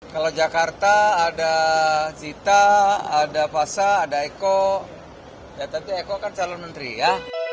kalau jakarta ada zita ada fasa ada eko ya tentu eko kan calon menteri ya